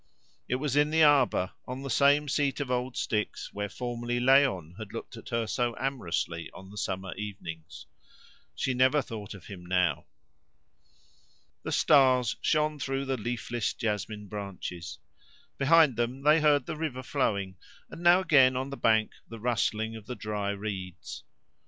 It was in the arbour, on the same seat of old sticks where formerly Léon had looked at her so amorously on the summer evenings. She never thought of him now. The stars shone through the leafless jasmine branches. Behind them they heard the river flowing, and now and again on the bank the rustling of the dry reeds.